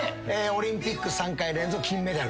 オリンピック３回連続金メダル。